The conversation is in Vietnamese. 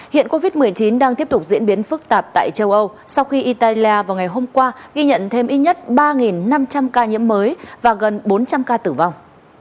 hiện covid một mươi chín đang tiếp tục diễn biến phức tạp tại châu âu sau khi italia vào ngày hôm qua ghi nhận thêm ít nhất ba năm trăm linh ca nhiễm mới và gần bốn trăm linh ca tử vong